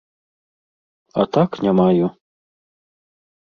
А так не маю.